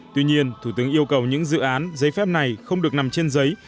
tuy nhiên thủ tướng yêu cầu những dự án giấy phép này không được nằm trên giấy